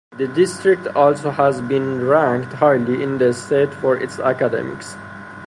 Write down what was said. The district also has been ranked highly in the state for its academics.